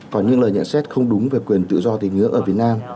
còn những lời nhận xét không đúng về quyền tự do tín ngưỡng ở việt nam